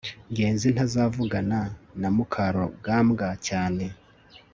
ngenzi ntazavugana na mukarugambwa cyane